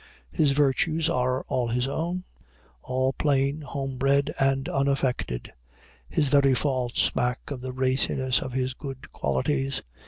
His virtues are all his own; all plain, homebred, and unaffected. His very faults smack of the raciness of his good qualities.